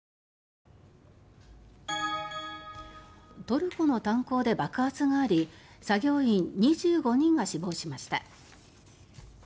トルコの炭鉱で爆発があり作業員２５人が死亡しました。